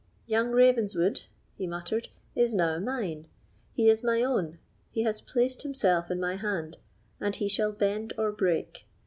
"Young Ravenswood," he muttered, "is now mine—he is my own; he has placed himself in my hand, and he shall bend or break.